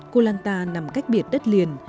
koh lanta nằm cách biệt đất liền